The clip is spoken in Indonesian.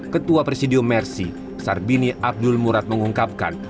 ketua presidium mersi sarbini abdul murad mengungkapkan